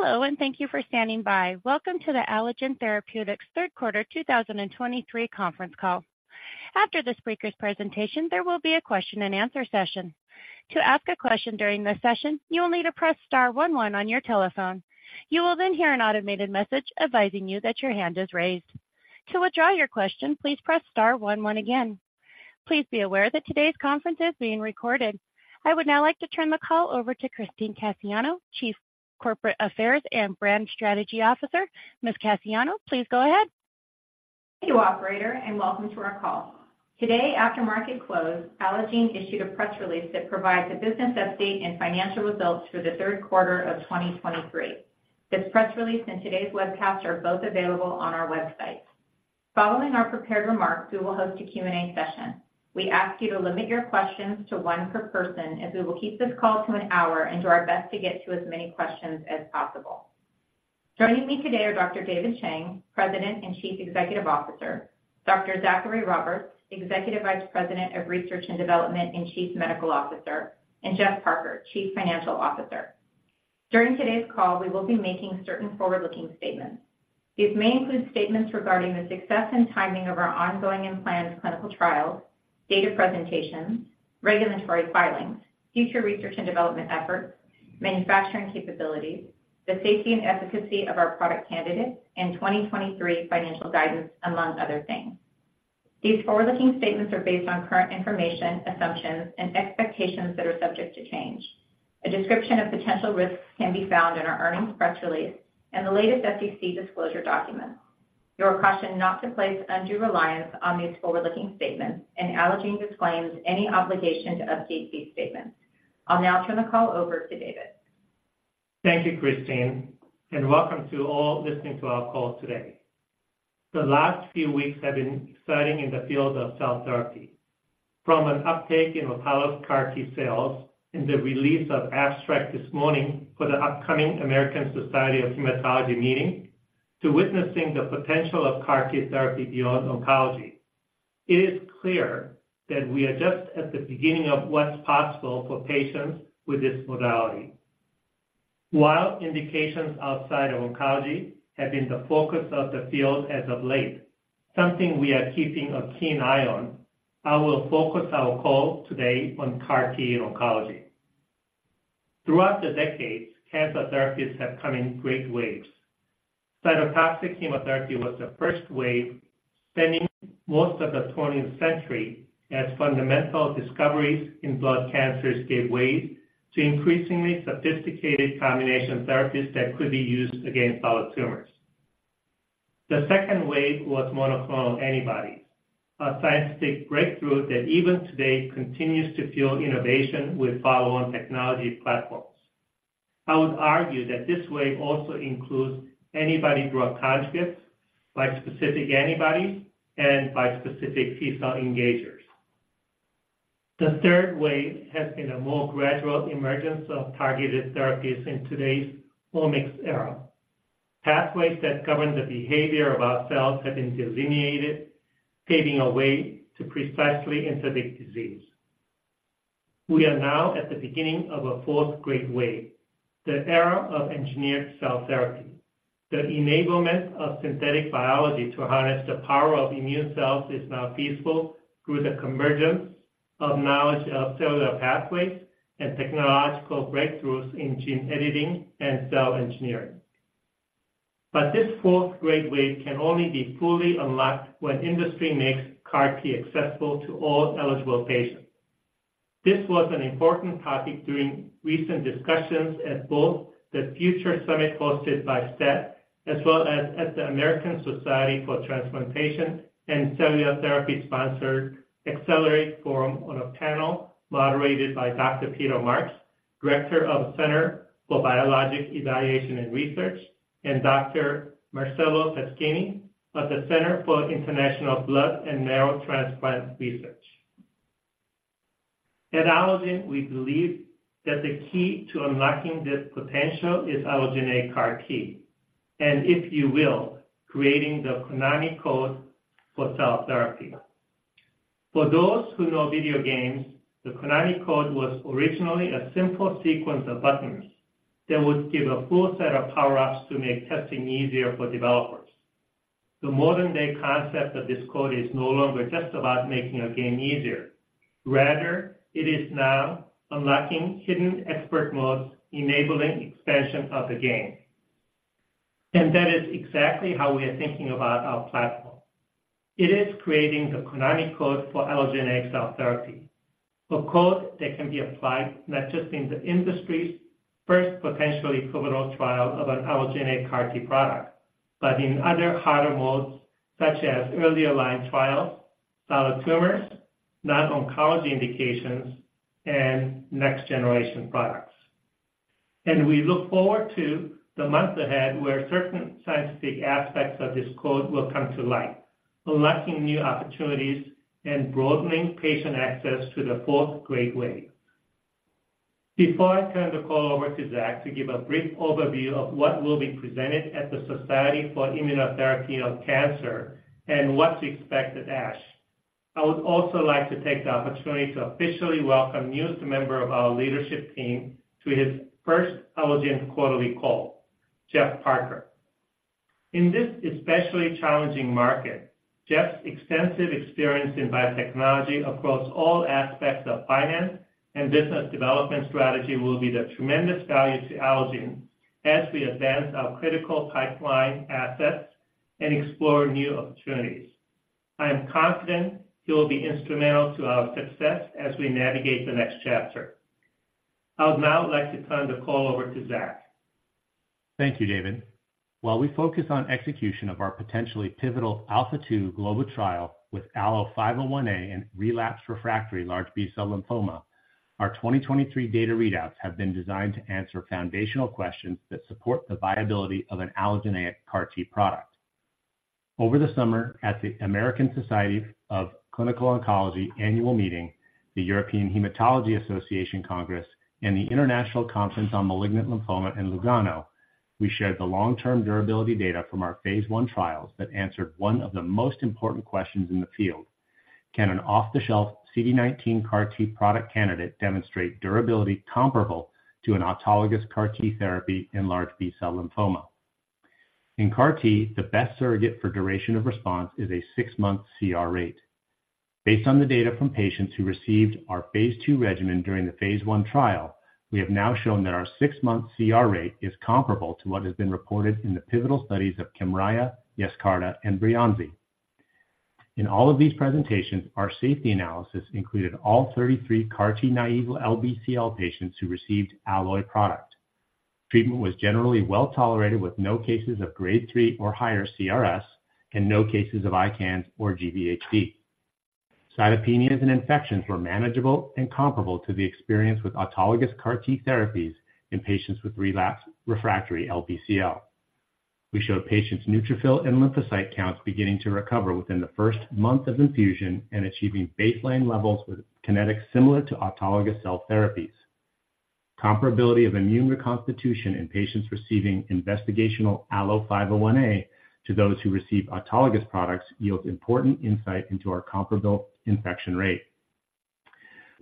Hello, and thank you for standing by. Welcome to the Allogene Therapeutics third quarter 2023 conference call. After the speaker's presentation, there will be a question-and-answer session. To ask a question during this session, you will need to press star one one on your telephone. You will then hear an automated message advising you that your hand is raised. To withdraw your question, please press star one one again. Please be aware that today's conference is being recorded. I would now like to turn the call over to Christine Cassiano, Chief Corporate Affairs and Brand Strategy Officer. Ms. Cassiano, please go ahead. Thank you, operator, and welcome to our call. Today, after market close, Allogene issued a press release that provides a business update and financial results for the third quarter of 2023. This press release and today's webcast are both available on our website. Following our prepared remarks, we will host a Q&A session. We ask you to limit your questions to one per person, as we will keep this call to an hour and do our best to get to as many questions as possible. Joining me today are Dr. David Chang, President and Chief Executive Officer; Dr. Zachary Roberts, Executive Vice President of Research and Development and Chief Medical Officer; and Geoffrey Parker, Chief Financial Officer. During today's call, we will be making certain forward-looking statements. These may include statements regarding the success and timing of our ongoing and planned clinical trials, data presentations, regulatory filings, future research and development efforts, manufacturing capabilities, the safety and efficacy of our product candidates, and 2023 financial guidance, among other things. These forward-looking statements are based on current information, assumptions, and expectations that are subject to change. A description of potential risks can be found in our earnings press release and the latest SEC disclosure documents. You are cautioned not to place undue reliance on these forward-looking statements, and Allogene disclaims any obligation to update these statements. I'll now turn the call over to David. Thank you, Christine, and welcome to all listening to our call today. The last few weeks have been exciting in the field of cell therapy, from an uptake in the power of CAR T cells and the release of abstract this morning for the upcoming American Society of Hematology meeting, to witnessing the potential of CAR T therapy beyond oncology. It is clear that we are just at the beginning of what's possible for patients with this modality. While indications outside of oncology have been the focus of the field as of late, something we are keeping a keen eye on, I will focus our call today on CAR T in oncology. Throughout the decades, cancer therapies have come in great waves. Cytotoxic chemotherapy was the first wave, spending most of the twentieth century as fundamental discoveries in blood cancers gave way to increasingly sophisticated combination therapies that could be used against solid tumors. The second wave was monoclonal antibodies, a scientific breakthrough that even today continues to fuel innovation with follow-on technology platforms. I would argue that this wave also includes antibody-drug conjugates, bispecific antibodies, and bispecific T-cell engagers. The third wave has been a more gradual emergence of targeted therapies in today's omics era. Pathways that govern the behavior of our cells have been delineated, paving a way to precisely enter the disease. We are now at the beginning of a fourth great wave, the era of engineered cell therapy. The enablement of synthetic biology to harness the power of immune cells is now feasible through the convergence of knowledge of cellular pathways and technological breakthroughs in gene editing and cell engineering. But this fourth great wave can only be fully unlocked when industry makes CAR T accessible to all eligible patients. This was an important topic during recent discussions at both the Future Summit hosted by STAT, as well as at the American Society for Transplantation and Cellular Therapy-sponsored AcCELLerate Forum on a panel moderated by Dr. Peter Marks, Director of the Center for Biologics Evaluation and Research, and Dr. Marcelo Pasquini of the Center for International Blood and Marrow Transplant Research. At Allogene, we believe that the key to unlocking this potential is allogeneic CAR T, and if you will, creating the Konami code for cell therapy. For those who know video games, the Konami code was originally a simple sequence of buttons that would give a full set of power-ups to make testing easier for developers. The modern-day concept of this code is no longer just about making a game easier. Rather, it is now unlocking hidden expert modes, enabling expansion of the game. That is exactly how we are thinking about our platform. It is creating the Konami code for allogeneic cell therapy, a code that can be applied not just in the industry's first potential equivalent trial of an allogeneic CAR T product, but in other harder modes, such as early aligned trials, solid tumors, non-oncology indications, and next-generation products. We look forward to the months ahead, where certain scientific aspects of this code will come to light, unlocking new opportunities and broadening patient access to the fourth great wave. Before I turn the call over to Zach to give a brief overview of what will be presented at the Society for Immunotherapy of Cancer and what's expected at ASH. I would also like to take the opportunity to officially welcome the newest member of our leadership team to his first Allogene quarterly call, Geoff Parker. In this especially challenging market, Geoff's extensive experience in biotechnology across all aspects of finance and business development strategy will be of tremendous value to Allogene as we advance our critical pipeline assets and explore new opportunities. I am confident he will be instrumental to our success as we navigate the next chapter. I would now like to turn the call over to Zach. Thank you, David. While we focus on execution of our potentially pivotal ALPHA2 global trial with ALLO-501A in relapsed/refractory large B-cell lymphoma, our 2023 data readouts have been designed to answer foundational questions that support the viability of an allogeneic CAR T product. Over the summer, at the American Society of Clinical Oncology annual meeting, the European Hematology Association Congress, and the International Conference on Malignant Lymphoma in Lugano, we shared the long-term durability data from our phase I trials that answered one of the most important questions in the field: Can an off-the-shelf CD19 CAR T product candidate demonstrate durability comparable to an autologous CAR T therapy in large B-cell lymphoma? In CAR T, the best surrogate for duration of response is a six-month CR rate. Based on the data from patients who received our phase II regimen during the phase 1 trial, we have now shown that our 6-month CR rate is comparable to what has been reported in the pivotal studies of Kymriah, Yescarta, and Breyanzi. In all of these presentations, our safety analysis included all 33 CAR T-naïve LBCL patients who received Allo product. Treatment was generally well-tolerated, with no cases of Grade 3 or higher CRS and no cases of ICANS or GVHD. Cytopenias and infections were manageable and comparable to the experience with autologous CAR T therapies in patients with relapsed/refractory LBCL. We showed patients' neutrophil and lymphocyte counts beginning to recover within the first month of infusion and achieving baseline levels with kinetics similar to autologous cell therapies. Comparability of immune reconstitution in patients receiving investigational ALLO-501A to those who receive autologous products yields important insight into our comparable infection rate.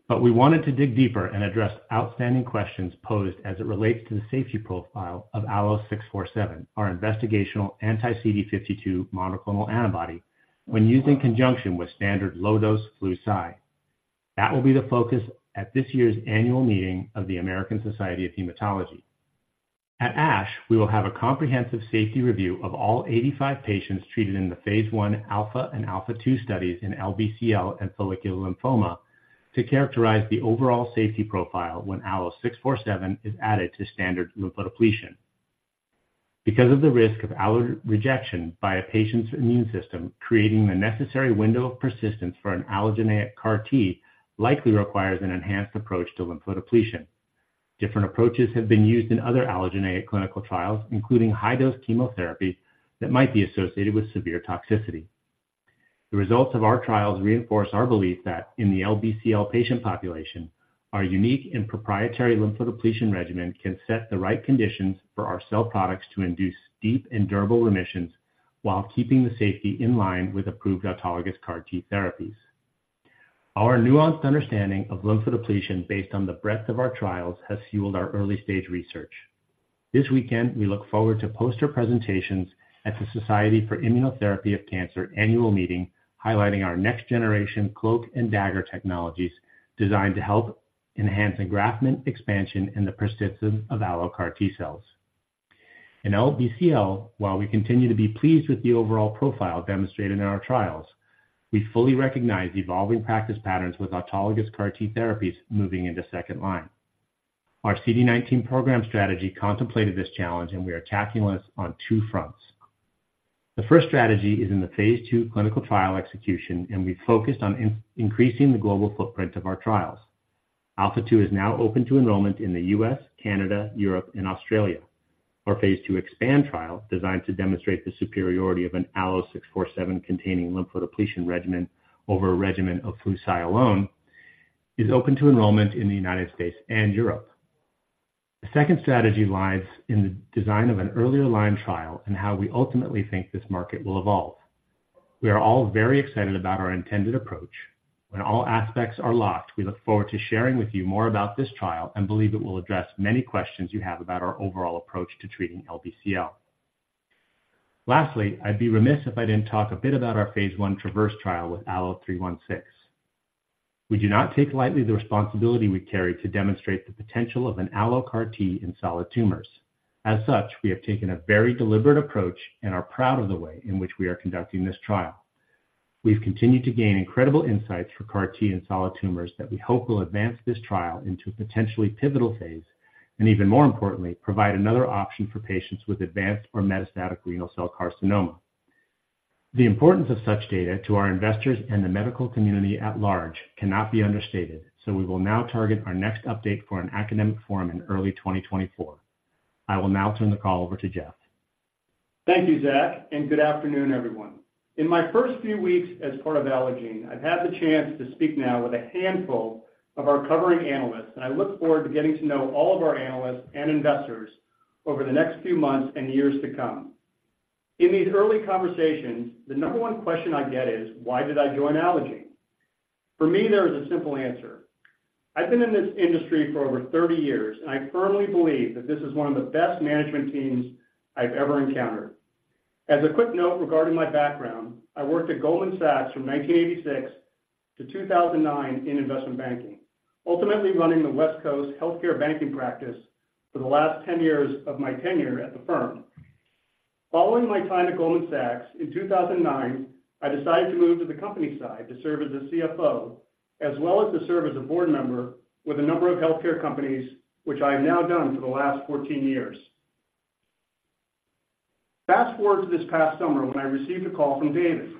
But we wanted to dig deeper and address outstanding questions posed as it relates to the safety profile of ALLO-647, our investigational anti-CD52 monoclonal antibody, when used in conjunction with standard low-dose flu/cy. That will be the focus at this year's annual meeting of the American Society of Hematology. At ASH, we will have a comprehensive safety review of all 85 patients treated in the phase I ALPHA and ALPHA2 studies in LBCL and follicular lymphoma to characterize the overall safety profile when ALLO-647 is added to standard lymphodepletion. Because of the risk of allogeneic rejection by a patient's immune system, creating the necessary window of persistence for an allogeneic CAR T likely requires an enhanced approach to lymphodepletion. Different approaches have been used in other allogeneic clinical trials, including high-dose chemotherapy, that might be associated with severe toxicity. The results of our trials reinforce our belief that in the LBCL patient population, our unique and proprietary lymphodepletion regimen can set the right conditions for our cell products to induce deep and durable remissions while keeping the safety in line with approved autologous CAR T therapies. Our nuanced understanding of lymphodepletion based on the breadth of our trials has fueled our early-stage research. This weekend, we look forward to poster presentations at the Society for Immunotherapy of Cancer annual meeting, highlighting our next-generation Cloak and Dagger technologies designed to help enhance engraftment, expansion, and the persistence of Allo CAR T cells. In LBCL, while we continue to be pleased with the overall profile demonstrated in our trials, we fully recognize evolving practice patterns with autologous CAR T therapies moving into second line. Our CD19 program strategy contemplated this challenge, and we are tackling this on two fronts. The first strategy is in the phase II clinical trial execution, and we've focused on increasing the global footprint of our trials. ALPHA2 is now open to enrollment in the U.S., Canada, Europe, and Australia. Our phase II EXPAND trial, designed to demonstrate the superiority of an ALLO-647-containing lymphodepletion regimen over a regimen of Flu/Cy alone, is open to enrollment in the United States and Europe. The second strategy lies in the design of an earlier line trial and how we ultimately think this market will evolve. We are all very excited about our intended approach. When all aspects are locked, we look forward to sharing with you more about this trial and believe it will address many questions you have about our overall approach to treating LBCL. Lastly, I'd be remiss if I didn't talk a bit about our phase I TRAVERSE trial with ALLO-316. We do not take lightly the responsibility we carry to demonstrate the potential of an Allo CAR T in solid tumors. As such, we have taken a very deliberate approach and are proud of the way in which we are conducting this trial. We've continued to gain incredible insights for CAR T in solid tumors that we hope will advance this trial into a potentially pivotal phase, and even more importantly, provide another option for patients with advanced or metastatic renal cell carcinoma. The importance of such data to our investors and the medical community at large cannot be understated, so we will now target our next update for an academic forum in early 2024. I will now turn the call over to Geoff. Thank you, Zach, and good afternoon, everyone. In my first few weeks as part of Allogene, I've had the chance to speak now with a handful of our covering analysts, and I look forward to getting to know all of our analysts and investors over the next few months and years to come. In these early conversations, the number one question I get is, why did I join Allogene? For me, there is a simple answer. I've been in this industry for over 30 years, and I firmly believe that this is one of the best management teams I've ever encountered. As a quick note regarding my background, I worked at Goldman Sachs from 1986 to 2009 in investment banking, ultimately running the West Coast healthcare banking practice for the last 10 years of my tenure at the firm. Following my time at Goldman Sachs, in 2009, I decided to move to the company side to serve as a CFO, as well as to serve as a board member with a number of healthcare companies, which I have now done for the last 14 years. Fast forward to this past summer when I received a call from David.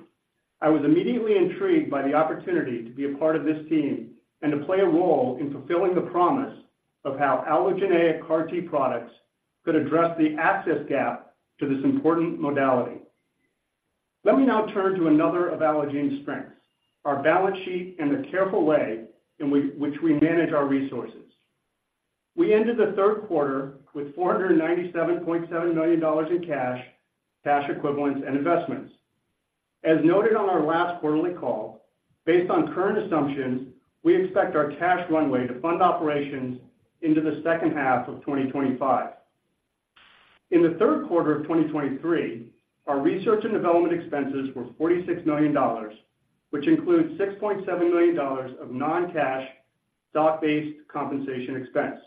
I was immediately intrigued by the opportunity to be a part of this team and to play a role in fulfilling the promise of how allogeneic CAR T products could address the access gap to this important modality. Let me now turn to another of Allogene's strengths, our balance sheet and the careful way in which we manage our resources. We ended the third quarter with $497.7 million in cash, cash equivalents, and investments. As noted on our last quarterly call, based on current assumptions, we expect our cash runway to fund operations into the second half of 2025. In the third quarter of 2023, our research and development expenses were $46 million, which includes $6.7 million of non-cash stock-based compensation expense.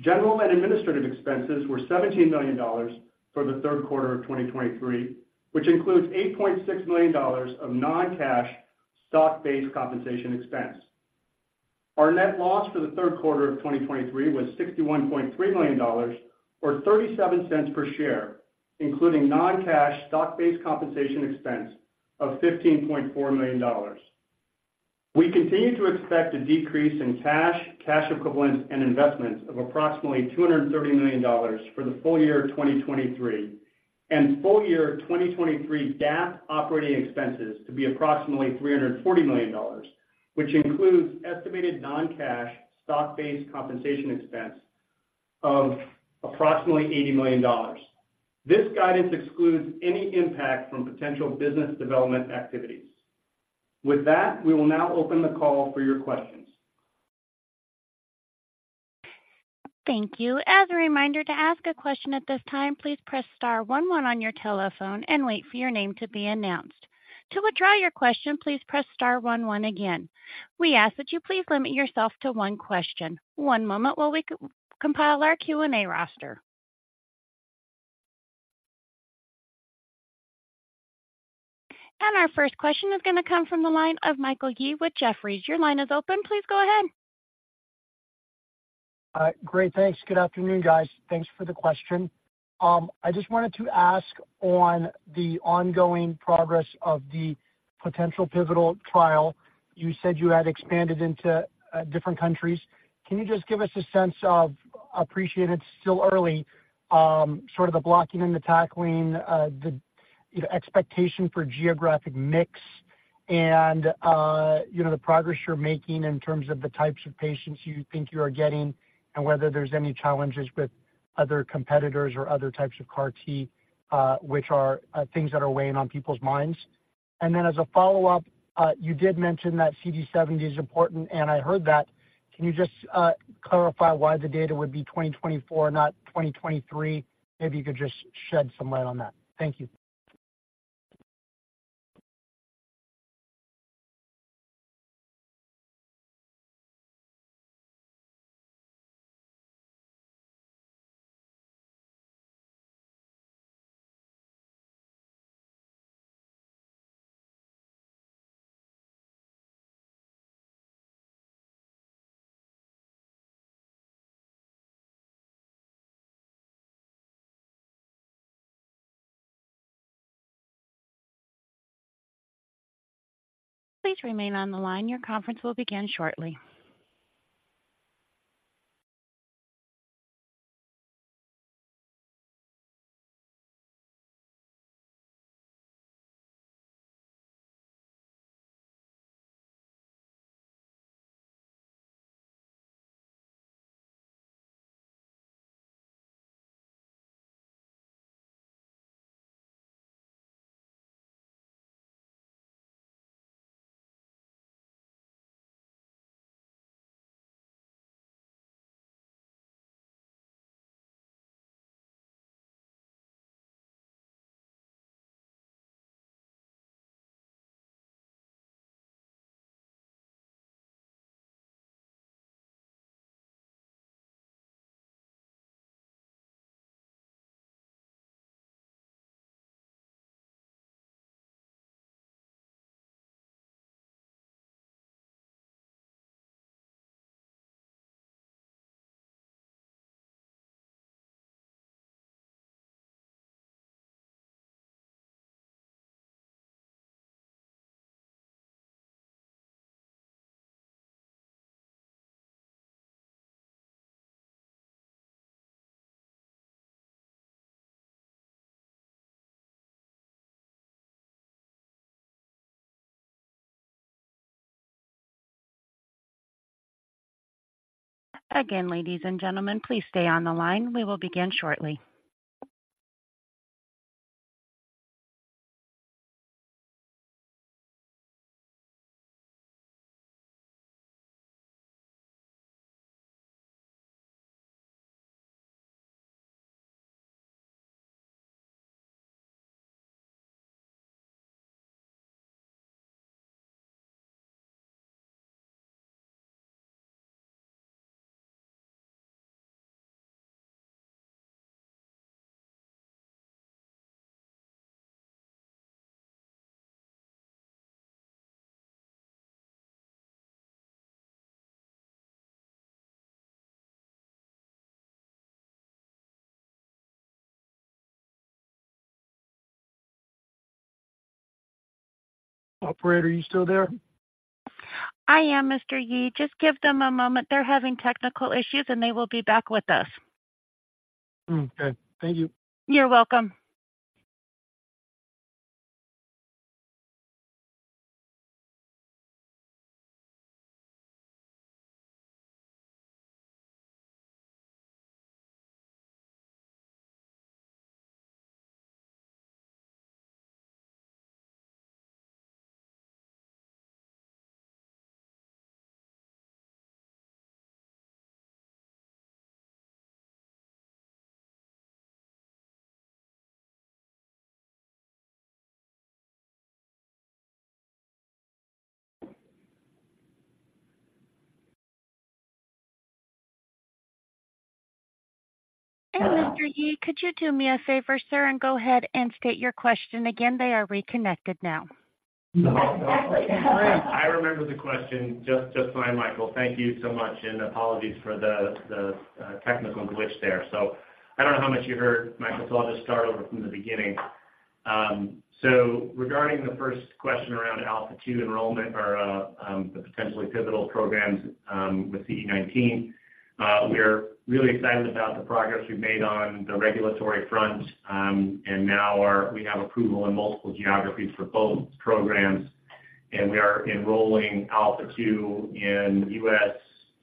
General and administrative expenses were $17 million for the third quarter of 2023, which includes $8.6 million of non-cash stock-based compensation expense. Our net loss for the third quarter of 2023 was $61.3 million, or 37 cents per share, including non-cash stock-based compensation expense of $15.4 million. We continue to expect a decrease in cash, cash equivalents, and investments of approximately $230 million for the full year of 2023, and full year 2023 GAAP operating expenses to be approximately $340 million, which includes estimated non-cash stock-based compensation expense of approximately $80 million. This guidance excludes any impact from potential business development activities. With that, we will now open the call for your questions. Thank you. As a reminder, to ask a question at this time, please press star one, one on your telephone and wait for your name to be announced. To withdraw your question, please press star one, one again. We ask that you please limit yourself to one question. One moment while we compile our Q&A roster. Our first question is going to come from the line of Michael Yee with Jefferies. Your line is open. Please go ahead. Great. Thanks. Good afternoon, guys. Thanks for the question. I just wanted to ask on the ongoing progress of the potential pivotal trial, you said you had expanded into different countries. Can you just give us a sense of, appreciate it's still early, sort of the blocking and the tackling, the, you know, expectation for geographic mix and, you know, the progress you're making in terms of the types of patients you think you are getting, and whether there's any challenges with other competitors or other types of CAR T, which are things that are weighing on people's minds? And then as a follow-up, you did mention that CD70 is important, and I heard that. Can you just clarify why the data would be 2024, not 2023? Maybe you could just shed some light on that. Thank you. Please remain on the line. Your conference will begin shortly. Again, ladies and gentlemen, please stay on the line. We will begin shortly. Operator, are you still there? I am, Mr. Yee. Just give them a moment. They're having technical issues, and they will be back with us. Okay. Thank you. You're welcome. Hey, Mr. Yee, could you do me a favor, sir, and go ahead and state your question again? They are reconnected now. I remember the question just, just fine, Michael. Thank you so much, and apologies for the technical glitch there. So I don't know how much you heard, Michael, so I'll just start over from the beginning. So regarding the first question around ALPHA2 enrollment or the potentially pivotal programs with CD19, we're really excited about the progress we've made on the regulatory front. And now we have approval in multiple geographies for both programs, and we are enrolling ALPHA2 in U.S.,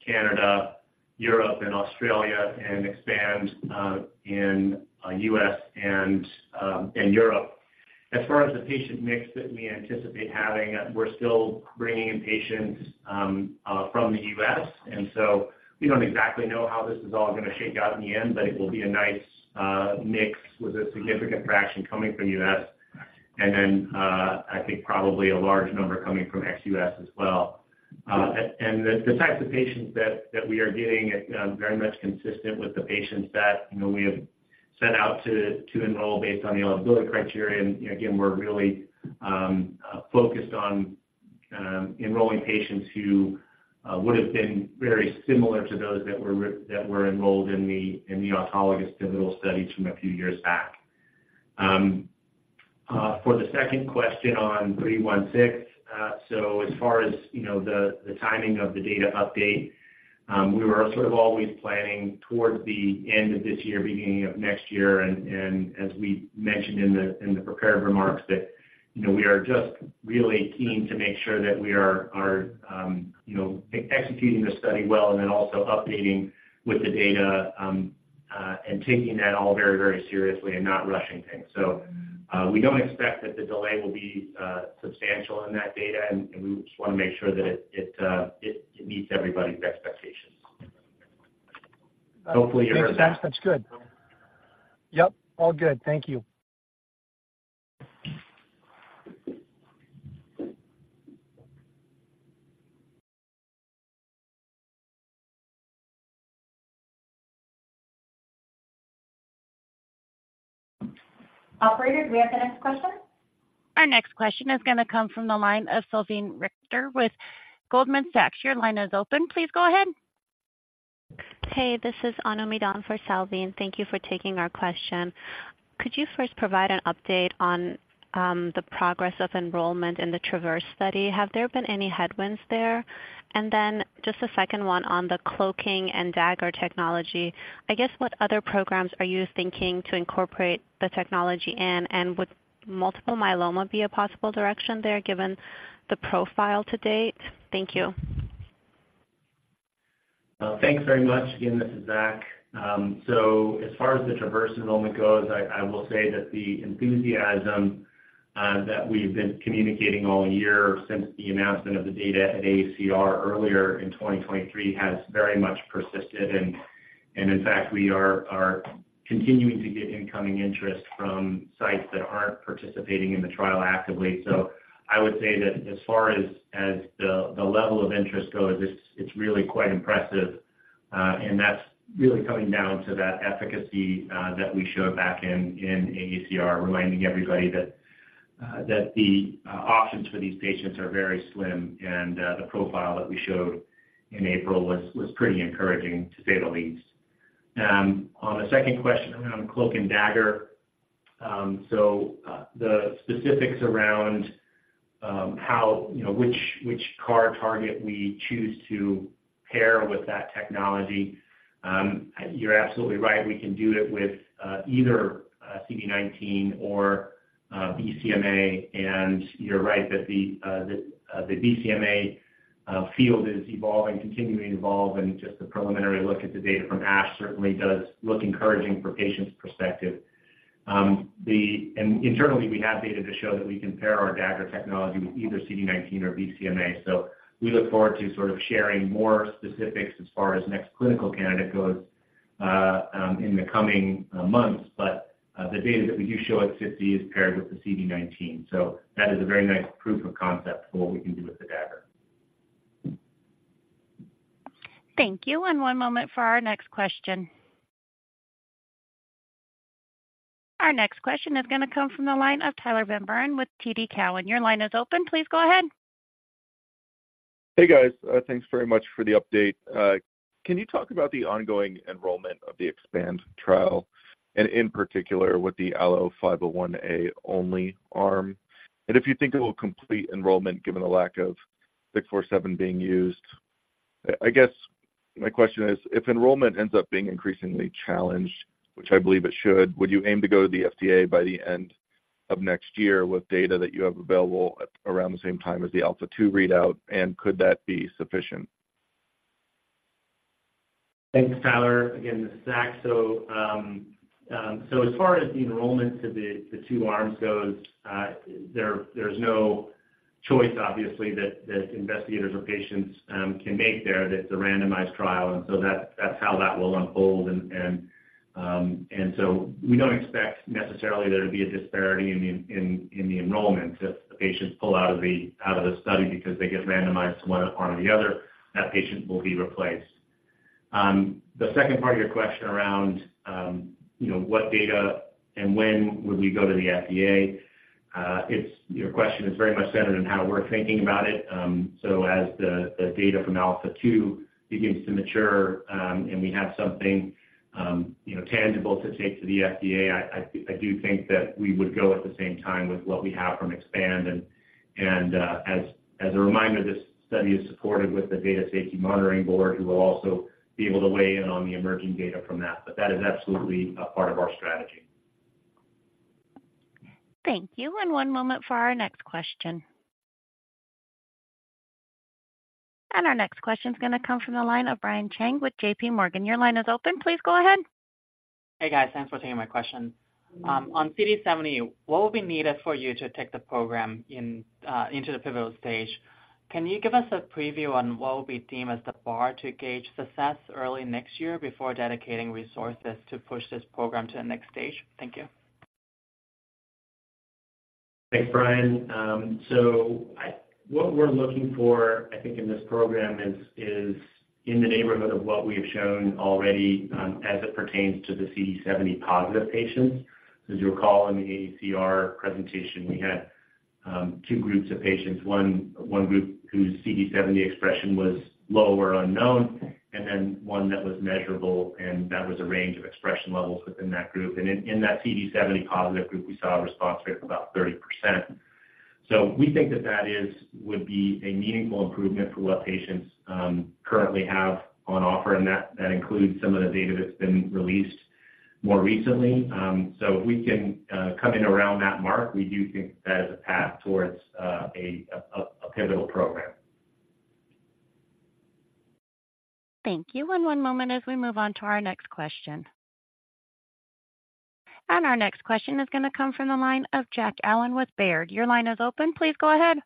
Canada, Europe, and Australia, and EXPAND in U.S. and in Europe. As far as the patient mix that we anticipate having, we're still bringing in patients from the U.S., and so we don't exactly know how this is all gonna shake out in the end, but it will be a nice mix with a significant fraction coming from U.S. And then, I think probably a large number coming from ex-U.S. as well. And the types of patients that we are getting is very much consistent with the patients that, you know, we have set out to enroll based on the eligibility criteria. And, again, we're really focused on enrolling patients who would have been very similar to those that were enrolled in the autologous pivotal studies from a few years back. For the second question on 316, so as far as, you know, the timing of the data update, we were sort of always planning towards the end of this year, beginning of next year. As we mentioned in the prepared remarks, that, you know, we are just really keen to make sure that we are executing the study well and then also updating with the data, and taking that all very, very seriously and not rushing things. So, we don't expect that the delay will be substantial in that data, and we just wanna make sure that it meets everybody's expectations. Hopefully, you heard that. That's good. Yep, all good. Thank you. Operator, do we have the next question? Our next question is gonna come from the line of Salveen Richter with Goldman Sachs. Your line is open. Please go ahead. Hey, this is Anu Midan for Salveen, and thank you for taking our question. Could you first provide an update on the progress of enrollment in the TRAVERSE study? Have there been any headwinds there? And then just a second one on the Cloaking and Dagger technology. I guess, what other programs are you thinking to incorporate the technology in, and would multiple myeloma be a possible direction there, given the profile to date? Thank you. Thanks very much. Again, this is Zach. So as far as the TRAVERSE enrollment goes, I will say that the enthusiasm that we've been communicating all year since the announcement of the data at AACR earlier in 2023 has very much persisted, and in fact, we are continuing to get incoming interest from sites that aren't participating in the trial actively. So I would say that as far as the level of interest goes, it's really quite impressive. And that's really coming down to that efficacy that we showed back in AACR, reminding everybody that the options for these patients are very slim, and the profile that we showed in April was pretty encouraging, to say the least. On the second question around Cloak & Dagger, so the specifics around how, you know, which CAR target we choose to pair with that technology? You're absolutely right. We can do it with either CD19 or BCMA, and you're right that the BCMA field is evolving, continuing to evolve, and just a preliminary look at the data from ASH certainly does look encouraging for patients' perspective. And internally, we have data to show that we can pair our Dagger technology with either CD19 or BCMA. So we look forward to sort of sharing more specifics as far as next clinical candidate goes, in the coming months. But, the data that we do show at 50 is paired with the CD19, so that is a very nice proof of concept for what we can do with the Dagger. Thank you. And one moment for our next question. Our next question is gonna come from the line of Tyler Van Buren with TD Cowen. Your line is open. Please go ahead. Hey, guys. Thanks very much for the update. Can you talk about the ongoing enrollment of the EXPAND trial and, in particular, with the ALLO-501A-only arm? And if you think it will complete enrollment, given the lack of ALLO-647 being used. I guess my question is, if enrollment ends up being increasingly challenged, which I believe it should, would you aim to go to the FDA by the end of next year with data that you have available at around the same time as the ALPHA2 readout? And could that be sufficient? Thanks, Tyler. Again, this is Zach. So, as far as the enrollment to the two arms goes, there's no choice, obviously, that investigators or patients can make there. That's a randomized trial, and so that's how that will unfold. And, and so we don't expect necessarily there to be a disparity in the enrollment. If the patients pull out of the study because they get randomized to one arm or the other, that patient will be replaced. The second part of your question around, you know, what data and when would we go to the FDA? It's, your question is very much centered on how we're thinking about it. So as the data from ALPHA2 begins to mature, and we have something, you know, tangible to take to the FDA, I do think that we would go at the same time with what we have from EXPAND. And, as a reminder, this study is supported with the Data Safety Monitoring Board, who will also be able to weigh in on the emerging data from that, but that is absolutely a part of our strategy. Thank you. One moment for our next question. Our next question is gonna come from the line of Brian Cheng with JP Morgan. Your line is open. Please go ahead. Hey, guys. Thanks for taking my question. On CD70, what will be needed for you to take the program into the pivotal stage? Can you give us a preview on what will be deemed as the bar to gauge success early next year before dedicating resources to push this program to the next stage? Thank you. Thanks, Brian. So what we're looking for, I think, in this program is in the neighborhood of what we have shown already, as it pertains to the CD70-positive patients. As you'll recall, in the AACR presentation, we had two groups of patients. One group whose CD70 expression was low or unknown, and then one that was measurable, and that was a range of expression levels within that group. And in that CD70-positive group, we saw a response rate of about 30%. So we think that that is would be a meaningful improvement for what patients currently have on offer, and that includes some of the data that's been released more recently. So if we can come in around that mark, we do think that is a path towards a pivotal program. Thank you. One moment as we move on to our next question. Our next question is gonna come from the line of Jack Allen with Baird. Your line is open. Please go ahead.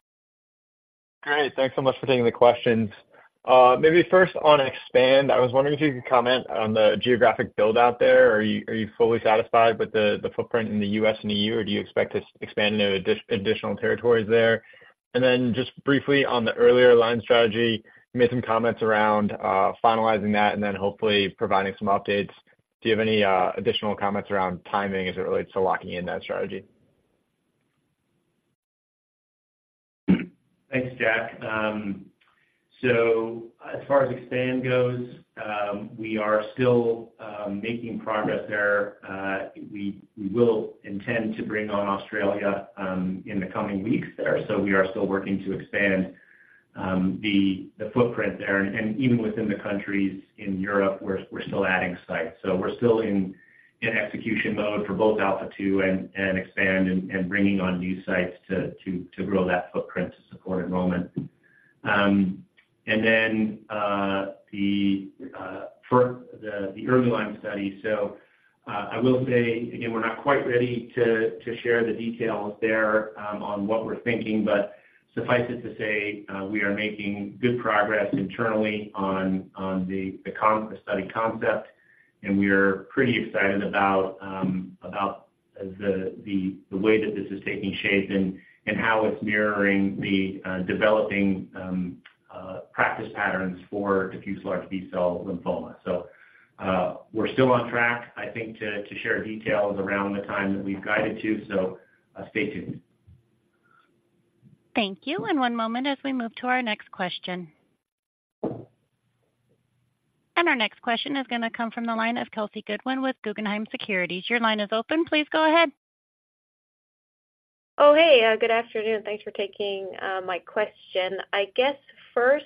Great. Thanks so much for taking the questions. Maybe first on EXPAND, I was wondering if you could comment on the geographic build-out there. Are you fully satisfied with the footprint in the US and EU, or do you expect to expand into additional territories there? And then just briefly on the earlier line strategy, you made some comments around, finalizing that and then hopefully providing some updates. Do you have any, additional comments around timing as it relates to locking in that strategy? Thanks, Jack. So as far as EXPAND goes, we are still making progress there. We will intend to bring on Australia in the coming weeks there, so we are still working to expand the footprint there. And even within the countries in Europe, we're still adding sites. So we're still in execution mode for both ALPHA2 and EXPAND and bringing on new sites to grow that footprint to support enrollment. And then, for the early line study, so, I will say, again, we're not quite ready to share the details there, on what we're thinking, but suffice it to say, we are making good progress internally on the study concept, and we're pretty excited about the way that this is taking shape and how it's mirroring the developing practice patterns for diffuse large B-cell lymphoma. So, we're still on track, I think, to share details around the time that we've guided to. So, stay tuned. Thank you. One moment as we move to our next question. Our next question is gonna come from the line of Kelsey Goodwin with Guggenheim Securities. Your line is open. Please go ahead. ... Oh, hey, good afternoon. Thanks for taking my question. I guess first,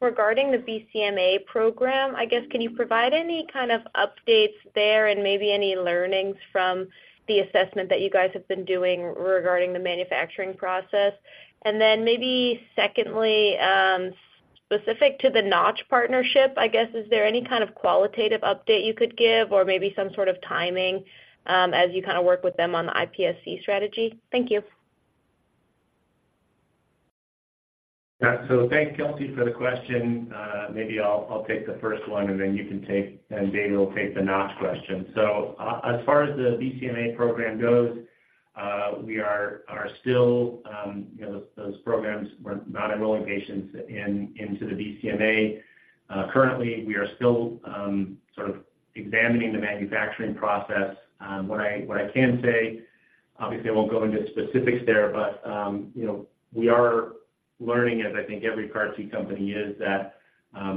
regarding the BCMA program, I guess, can you provide any kind of updates there and maybe any learnings from the assessment that you guys have been doing regarding the manufacturing process? And then maybe secondly, specific to the Notch partnership, I guess, is there any kind of qualitative update you could give or maybe some sort of timing, as you kind of work with them on the iPSC strategy? Thank you. Yeah. So thanks, Kelsey, for the question. Maybe I'll take the first one, and then you can take, and David will take the Notch question. So, as far as the BCMA program goes, we are still, you know, those programs, we're not enrolling patients into the BCMA. Currently, we are still sort of examining the manufacturing process. What I can say, obviously, I won't go into specifics there, but, you know, we are learning, as I think every CAR T company is, that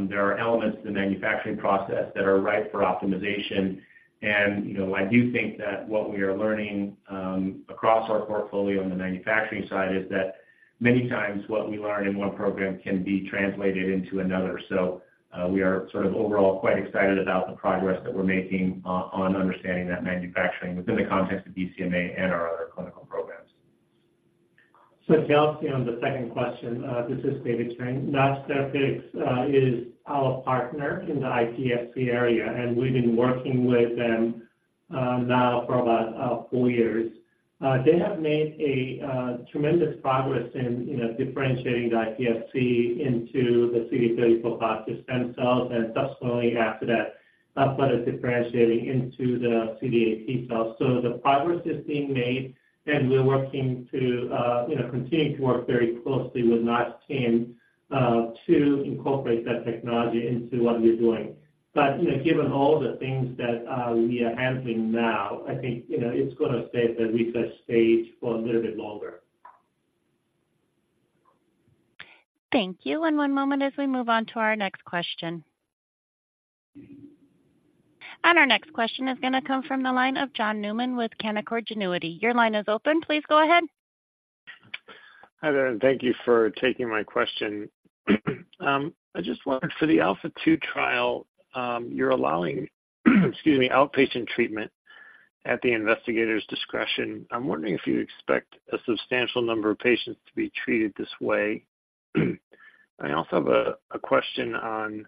there are elements in the manufacturing process that are ripe for optimization. And, you know, I do think that what we are learning across our portfolio on the manufacturing side is that many times what we learn in one program can be translated into another. We are sort of overall quite excited about the progress that we're making on understanding that manufacturing within the context of BCMA and our other clinical programs. Kelsey, on the second question, this is David Chang. Notch Therapeutics is our partner in the iPSC area, and we've been working with them now for about 4 years. They have made a tremendous progress in, you know, differentiating the iPSC into the CD34+ stem cells, and subsequently after that, blood is differentiating into the CD8 T cells. So the progress is being made, and we're working to, you know, continuing to work very closely with Notch team to incorporate that technology into what we're doing. But, you know, given all the things that we are handling now, I think, you know, it's gonna stay at the research stage for a little bit longer. Thank you. One moment as we move on to our next question. Our next question is going to come from the line of John Newman with Canaccord Genuity. Your line is open. Please go ahead. Hi there, and thank you for taking my question. I just wondered, for the Alpha-2 trial, you're allowing, excuse me, outpatient treatment at the investigator's discretion. I'm wondering if you expect a substantial number of patients to be treated this way. I also have a question on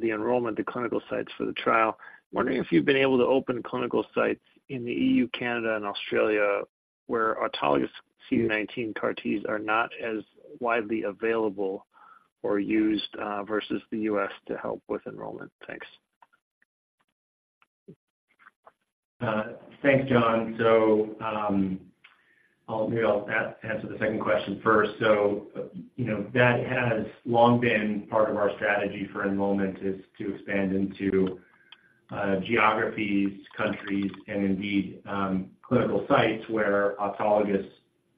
the enrollment, the clinical sites for the trial. I'm wondering if you've been able to open clinical sites in the EU, Canada, and Australia, where autologous CD19 CAR Ts are not as widely available or used versus the U.S. to help with enrollment. Thanks. Thanks, John. So, I'll answer the second question first. So, you know, that has long been part of our strategy for enrollment, is to expand into geographies, countries, and indeed, clinical sites where autologous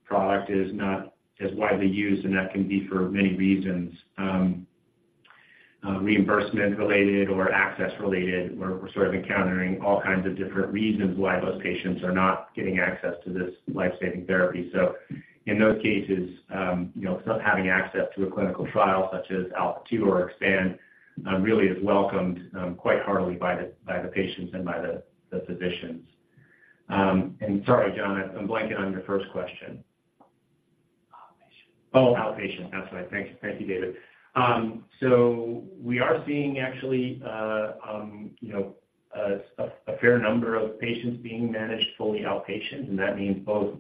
product is not as widely used, and that can be for many reasons, reimbursement related or access related. We're sort of encountering all kinds of different reasons why those patients are not getting access to this life-saving therapy. So in those cases, you know, having access to a clinical trial such as ALPHA2 or EXPAND really is welcomed quite heartily by the patients and by the physicians. And sorry, John, I'm blanking on your first question. Outpatient. Oh, outpatient. That's right. Thank you. Thank you, David. So we are seeing actually, you know, a fair number of patients being managed fully outpatient, and that means both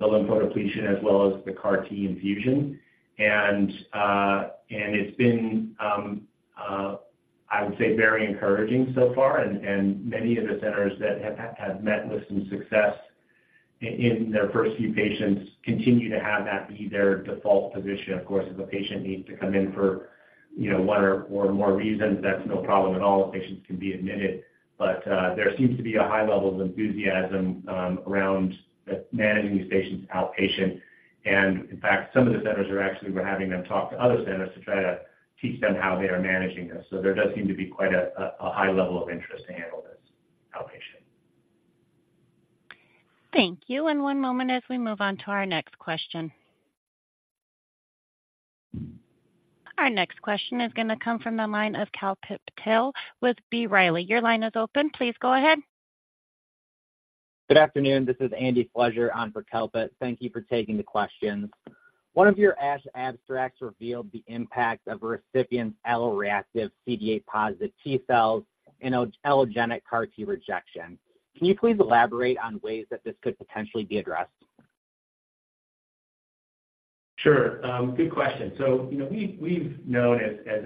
the lymphodepletion as well as the CAR T infusion. It's been, I would say, very encouraging so far, and many of the centers that have met with some success in their first few patients continue to have that be their default position. Of course, if a patient needs to come in for, you know, one or more reasons, that's no problem at all. Patients can be admitted. There seems to be a high level of enthusiasm around the managing these patients outpatient. In fact, some of the centers are actually we're having them talk to other centers to try to teach them how they are managing this. So there does seem to be quite a high level of interest to handle this outpatient. Thank you. One moment as we move on to our next question. Our next question is going to come from the line of Kalpit Patel with B. Riley. Your line is open. Please go ahead. Good afternoon. This is Andy Fletcher on for Kalpit. Thank you for taking the questions. One of your ASH abstracts revealed the impact of a recipient's alloreactive CD8+ T cells in an allogeneic CAR T rejection. Can you please elaborate on ways that this could potentially be addressed? Sure. Good question. So, you know, we've known, as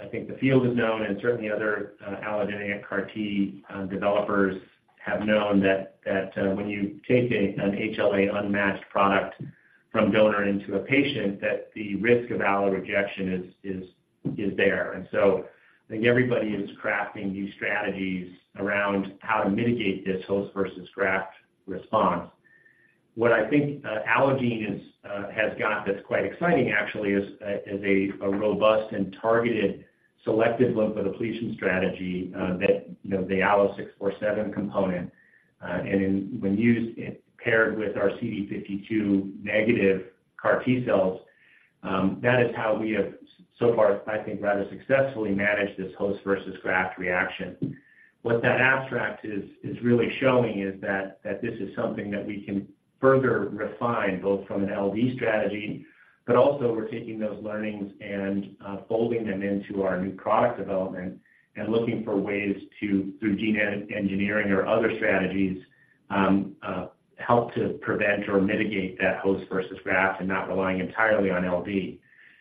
I think the field has known and certainly other allogeneic CAR T developers have known that, that when you take an HLA-unmatched product from donor into a patient, that the risk of allo rejection is there. And so I think everybody is crafting these strategies around how to mitigate this host versus graft response. What I think Allogene has got that's quite exciting actually is a robust and targeted selective lymphodepletion strategy, you know, the ALLO-647 component, and when used it paired with our CD52-negative CAR T cells, that is how we have so far, I think, rather successfully managed this host versus graft reaction. What that abstract is, is really showing is that, that this is something that we can further refine, both from an LD strategy, but also we're taking those learnings and folding them into our new product development and looking for ways to, through gene engineering or other strategies, help to prevent or mitigate that host versus graft and not relying entirely on LD.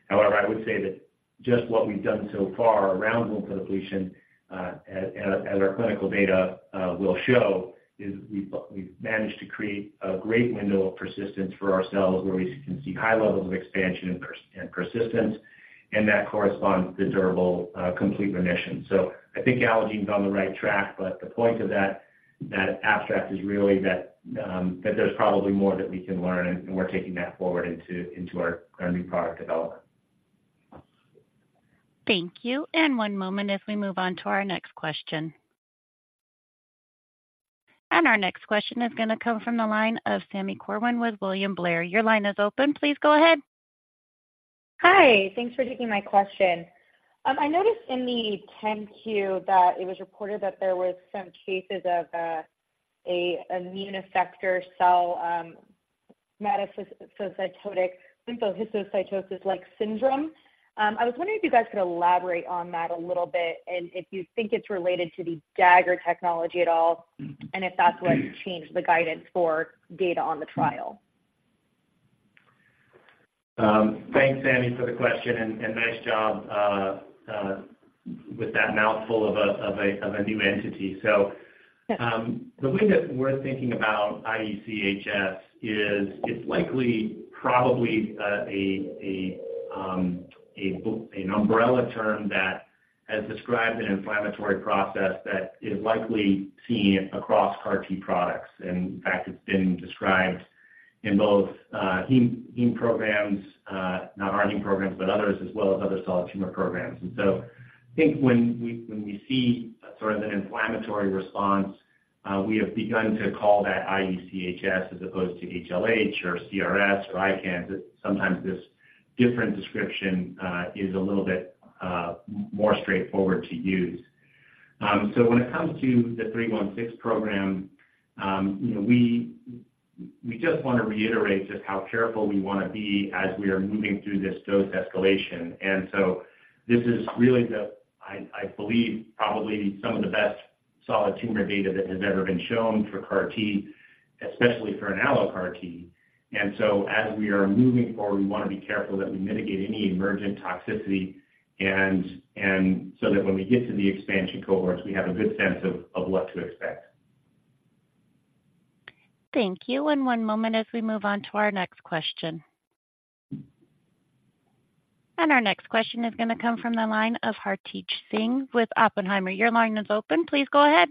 However, I would say that just what we've done so far around lymphodepletion, as our clinical data will show, is we've managed to create a great window of persistence for ourselves, where we can see high levels of expansion and persistence, and that corresponds to durable complete remission. So I think Allogene's on the right track, but the point of that abstract is really that there's probably more that we can learn, and we're taking that forward into our new product development. Thank you. One moment as we move on to our next question. Our next question is gonna come from the line of Sami Corwin with William Blair. Your line is open. Please go ahead. Hi. Thanks for taking my question. I noticed in the 10-Q that it was reported that there was some cases of an immune effector cell-associated hemophagocytic lymphohistiocytosis-like syndrome. I was wondering if you guys could elaborate on that a little bit, and if you think it's related to the Dagger technology at all, and if that's what changed the guidance for data on the trial? Thanks, Sami, for the question, and nice job with that mouthful of a new entity. Yes. So, the way that we're thinking about IEC-HS is it's likely probably an umbrella term that has described an inflammatory process that is likely seen across CAR T products. And in fact, it's been described in both, heme, heme programs, not our heme programs, but others, as well as other solid tumor programs. And so I think when we, when we see sort of an inflammatory response, we have begun to call that IEC-HS, as opposed to HLH or CRS or ICANS. Sometimes this different description is a little bit more straightforward to use. So when it comes to the 316 program, you know, we just want to reiterate just how careful we want to be as we are moving through this dose escalation. This is really, I believe, probably some of the best solid tumor data that has ever been shown for CAR T, especially for an Allo CAR T. As we are moving forward, we want to be careful that we mitigate any emergent toxicity, and so that when we get to the expansion cohorts, we have a good sense of what to expect. Thank you. One moment as we move on to our next question. Our next question is gonna come from the line of Hartaj Singh with Oppenheimer. Your line is open. Please go ahead.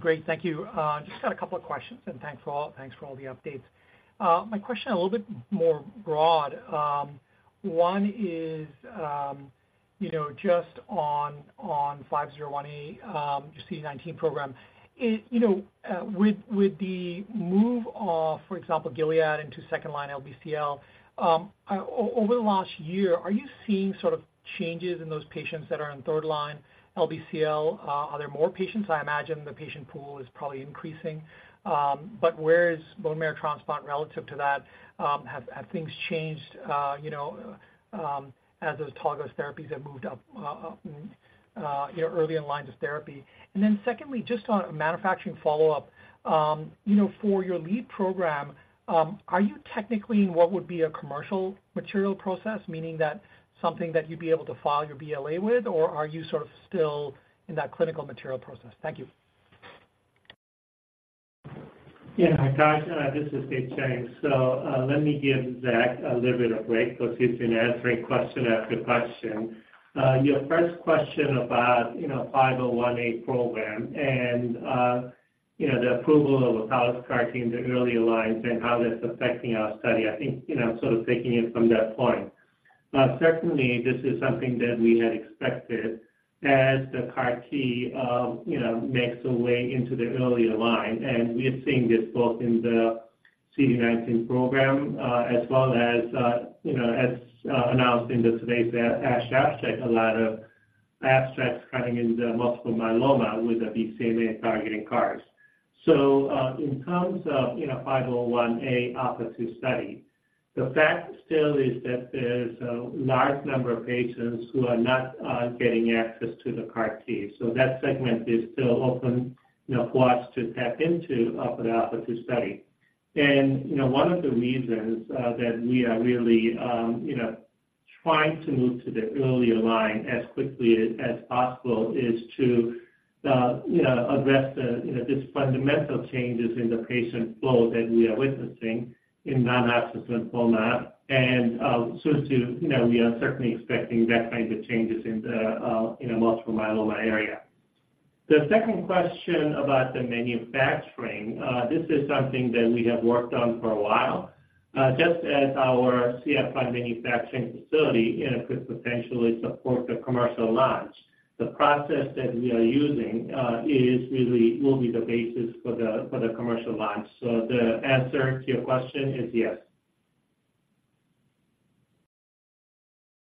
Great, thank you. Just got a couple of questions, and thanks for all, thanks for all the updates. My question a little bit more broad. One is, you know, just on 501A, CD19 program. You know, with the move of, for example, Gilead into second line LBCL, over the last year, are you seeing sort of changes in those patients that are in third line LBCL? Are there more patients? I imagine the patient pool is probably increasing, but where is bone marrow transplant relative to that? Have things changed, you know, as those CAR T therapies have moved up, you know, earlier in lines of therapy? And then secondly, just on a manufacturing follow-up, you know, for your lead program, are you technically in what would be a commercial material process, meaning that something that you'd be able to file your BLA with, or are you sort of still in that clinical material process? Thank you. Yeah, hi, Josh, this is David Chang. So, let me give Zach a little bit of a break because he's been answering question after question. Your first question about, you know, 501A program and, you know, the approval of allogeneic CAR T in the earlier lines and how that's affecting our study, I think, you know, sort of taking it from that point. Certainly, this is something that we had expected as the CAR T, you know, makes a way into the earlier line, and we are seeing this both in the CD19 program, as well as, you know, as announced in today's ASH abstract, a lot of abstracts coming into the multiple myeloma with the BCMA-targeting CARs. So, in terms of, you know, ALLO-501A ALPHA study, the fact still is that there's a large number of patients who are not getting access to the CAR T. So that segment is still open, you know, for us to tap into for the ALPHA study. And, you know, one of the reasons that we are really, you know, trying to move to the earlier line as quickly as possible is to, you know, address the, you know, this fundamental changes in the patient flow that we are witnessing in non-Hodgkin lymphoma. And, so to, you know, we are certainly expecting that kind of changes in the, in the multiple myeloma area. The second question about the manufacturing, this is something that we have worked on for a while. Just as our CF1 manufacturing facility, and it could potentially support the commercial launch. The process that we are using is really will be the basis for the commercial launch. So the answer to your question is yes.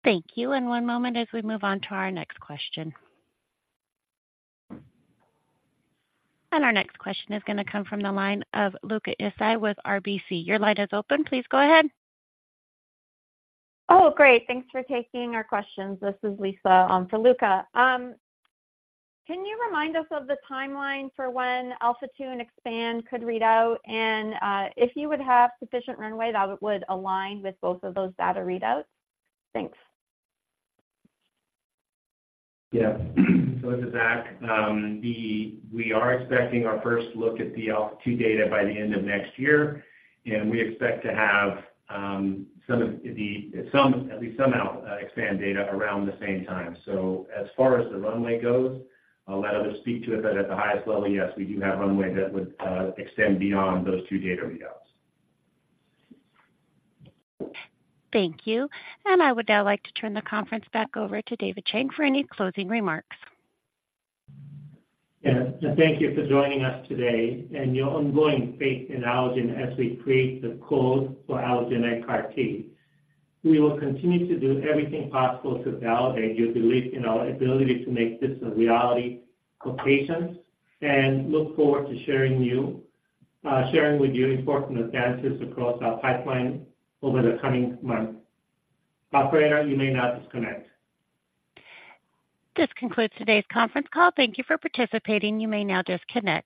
Thank you, and one moment as we move on to our next question. Our next question is going to come from the line of Luca Issi with RBC. Your line is open. Please go ahead. Oh, great, thanks for taking our questions. This is Lisa, for Luca. Can you remind us of the timeline for when ALPHA2 and EXPAND could read out? And, if you would have sufficient runway, that would align with both of those data readouts? Thanks. Yeah. So this is Zach. We are expecting our first look at the ALPHA2 data by the end of next year, and we expect to have at least some EXPAND data around the same time. So as far as the runway goes, I'll let others speak to it, but at the highest level, yes, we do have runway that would extend beyond those two data readouts. Thank you. I would now like to turn the conference back over to David Chang for any closing remarks. Yes, and thank you for joining us today and your ongoing faith in Allogene as we create the code for Allogene CAR T. We will continue to do everything possible to validate your belief in our ability to make this a reality for patients, and look forward to sharing with you important advances across our pipeline over the coming months. Operator, you may now disconnect. This concludes today's conference call. Thank you for participating. You may now disconnect.